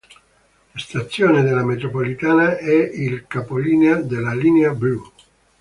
La stazione della metropolitana è il capolinea della linea blu.